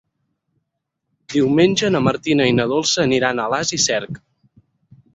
Diumenge na Martina i na Dolça aniran a Alàs i Cerc.